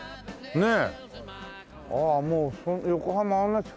ねえ。